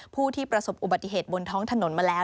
ผู้ที่ประสบอุบัติเหตุบนท้องถนนมาแล้ว